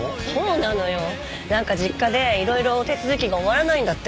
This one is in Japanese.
なんか実家でいろいろ手続きが終わらないんだって。